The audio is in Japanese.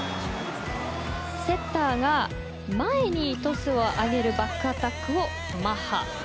セッターが前にトスを上げるバックアタックをマッハ。